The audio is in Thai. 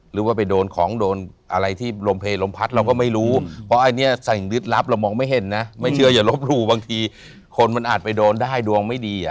หรือว่าไปโดนของโดนอะไรที่ลมเพลลมพัดเราก็ไม่รู้เพราะอันนี้สิ่งลึกลับเรามองไม่เห็นนะไม่เชื่ออย่าลบหลู่บางทีคนมันอาจไปโดนได้ดวงไม่ดี